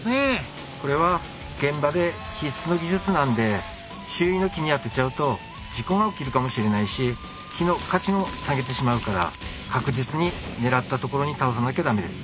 これは現場で必須の技術なんで周囲の木に当てちゃうと事故が起きるかもしれないし木の価値も下げてしまうから確実に狙った所に倒さなきゃダメです。